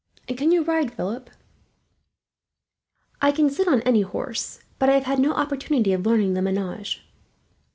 "And can you ride, Philip?" "I can sit on any horse, but I have had no opportunity of learning the menage."